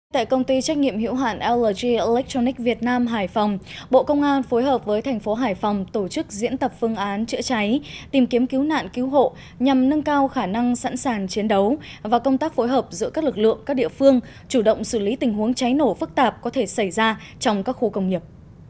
tại công ty trách nhiệm hiệu hạn lg olectronic việt nam hải phòng bộ công an phối hợp với thành phố hải phòng tổ chức diễn tập phương án chữa cháy tìm kiếm cứu nạn cứu hộ nhằm nâng cao khả năng sẵn sàng chiến đấu và công tác phối hợp giữa các lực lượng các địa phương chủ động xử lý tình huống cháy nổ phức tạp có thể xảy ra trong các khu công nghiệp